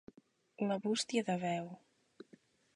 La bústia de veu.